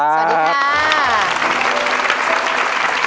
สวัสดีค่ะ